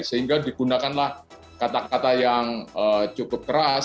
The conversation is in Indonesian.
sehingga digunakanlah kata kata yang cukup keras